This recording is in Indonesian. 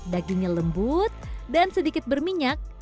dagingnya lembut dan sedikit berminyak